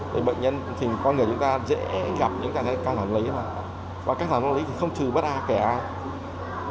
vì bệnh nhân thì con người chúng ta dễ gặp những trạng thái căng thẳng lý và căng thẳng tâm lý thì không trừ bất ai kẻ ai